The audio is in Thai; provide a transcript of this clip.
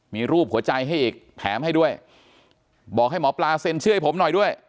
มีรูปหัวใจให้อีกแถมให้ด้วยบอกให้หมอปลาเซ็นชื่อให้ผมหน่อยด้วย